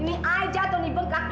ini aja tuh nih bengkak